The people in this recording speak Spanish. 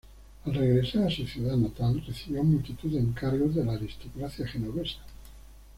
Al regresar a su ciudad natal, recibió multitud de encargos de la aristocracia genovesa.